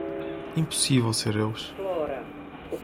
Impossível ser eles